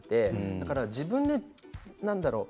だから自分でなんだろう